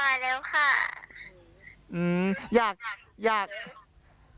ไม่เจ็บแล้วค่ะไม่สบายแล้วค่ะ